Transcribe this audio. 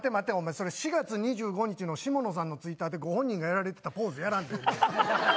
それ４月２５日の下野さんのツイッターでご本人がやられてたポーズやらんでええねん。